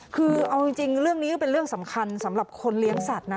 คือเอาจริงเรื่องนี้ก็เป็นเรื่องสำคัญสำหรับคนเลี้ยงสัตว์นะ